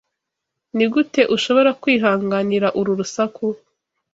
Nigute ushobora kwihanganira uru rusaku?